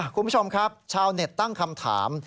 คุณผู้ชมครับชาวเน็ตตั้งคำถาม